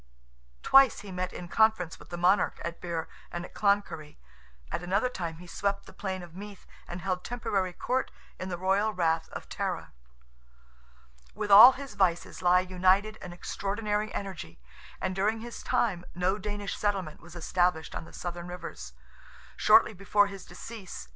Twice he met in conference with the monarch at Birr and at Cloncurry—at another time he swept the plain of Meath, and held temporary court in the royal rath of Tara. With all his vices lie united an extraordinary energy, and during his time, no Danish settlement was established on the Southern rivers. Shortly before his decease (A.D.